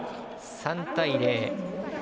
３対０。